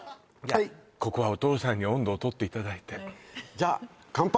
ここはお父さんに音頭を取っていただいてじゃあ乾杯！